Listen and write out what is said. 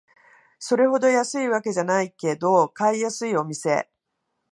それほど安いわけじゃないけど買いやすいお店